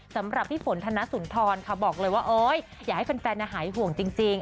สำหรับพี่ฝนธนสุนทรค่ะบอกเลยว่าโอ๊ยอยากให้แฟนหายห่วงจริง